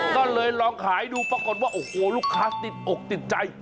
ก็เลยลองขายดูปรากฏว่าโอ้โหลูกค้าติดอกติดใจ